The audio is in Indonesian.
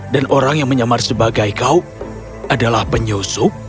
dan orang yang menyamar sebagai kau adalah penyusup